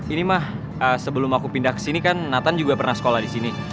ini mah sebelum aku pindah kesini kan nathan juga pernah sekolah disini